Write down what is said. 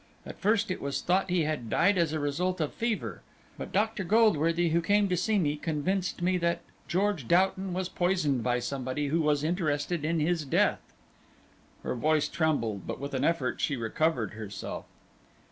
At first it was thought he had died as a result of fever, but Dr. Goldworthy who came to see me convinced me that George Doughton was poisoned by somebody who was interested in his death." Her voice trembled, but with an effort she recovered herself.